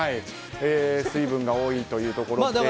水分が多いというところで。